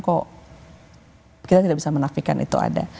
kok kita tidak bisa menafikan itu ada